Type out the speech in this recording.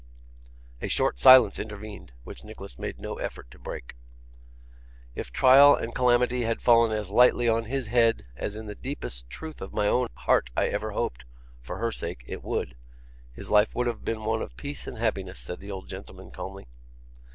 A short silence intervened, which Nicholas made no effort to break. 'If trial and calamity had fallen as lightly on his head, as in the deepest truth of my own heart I ever hoped (for her sake) it would, his life would have been one of peace and happiness,' said the old gentleman calmly.